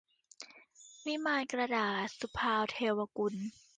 วิมานกระดาษ - สุภาว์ เทวกุล